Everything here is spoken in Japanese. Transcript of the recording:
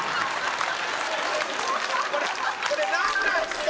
これこれなんなんすか？